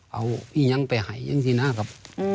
เอายังไปหายอย่างที่น่าครับ